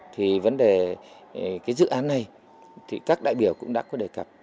thì vấn đề cái dự án này thì các đại biểu cũng đã có đề cập